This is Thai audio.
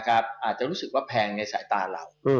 อาจจะรู้สึกว่าแพงในสายตาเรา